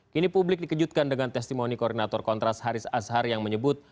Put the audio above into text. kini publik dikejutkan dengan testimoni koordinator kontras haris azhar yang menyebut